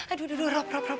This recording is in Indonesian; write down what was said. aduh aduh rob rob rob